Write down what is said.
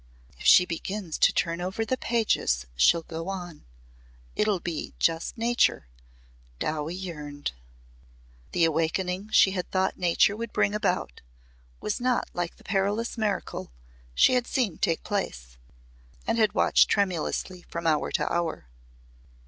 "If she begins to turn over the pages she'll go on. It'll be just Nature," Dowie yearned. The awakening she had thought Nature would bring about was not like the perilous miracle she had seen take place and had watched tremulously from hour to hour.